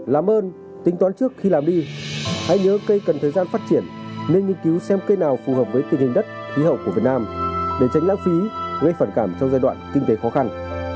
làm ơn tính toán trước khi làm đi hãy nhớ cây cần thời gian phát triển nên nghiên cứu xem cây nào phù hợp với tình hình đất khí hậu của việt nam để tránh lãng phí gây phản cảm trong giai đoạn kinh tế khó khăn